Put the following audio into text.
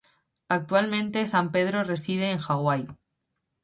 Actualmente, Sampedro reside en Hawaii.